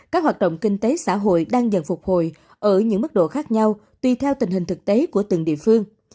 các hoạt động kinh tế xã hội đang dần phục hồi ở những mức độ khác nhau tùy theo tình hình thực tế của từng địa phương